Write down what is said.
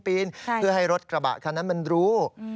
ปีนเพื่อให้รถกระบะคันนั้นมันรู้